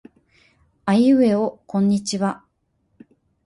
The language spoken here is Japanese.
あいうえおこんにちは。